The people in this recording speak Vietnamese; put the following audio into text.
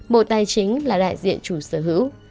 một tài chính là đại diện chủ sở hữu